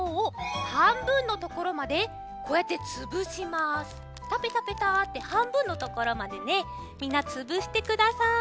ペタペタペタってはんぶんのところまでねみんなつぶしてください。